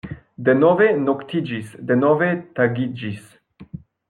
Denove noktiĝis; denove tagiĝis.